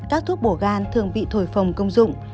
các thuốc bổ gan thường bị thổi phồng công dụng